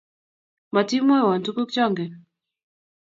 Matimwowo tuguk chongen